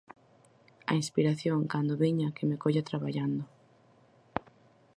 A inspiración, cando veña, que me colla traballando.